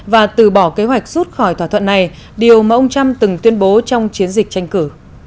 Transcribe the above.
và từ bỏ kế hoạch rút khỏi thỏa thuận này điều mà ông trump từng tuyên bố trong chiến dịch tranh cử